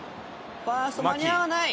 ファースト間に合わない！